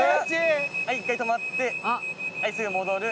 一回止まってすぐ戻る。